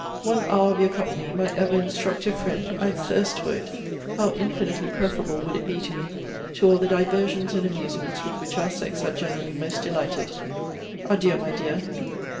One hour of your company, my ever instructive friend, [I thirst for it!] how infinitely preferable would it be to me to all the diversions and amusements with which our sex are generally most delighted Adieu, my dear!